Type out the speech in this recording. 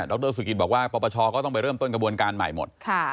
คุณที่ปรปชแล้วเนี้ยดรสุกินบอกว่าปรปชก็ต้องไปเริ่มต้นกระบวนการใหม่หมดค่ะ